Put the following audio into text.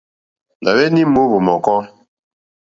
Nà hweni mòohvò mɔ̀kɔ.